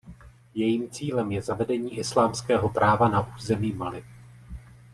Jejím cílem je zavedení islámského práva na území Mali.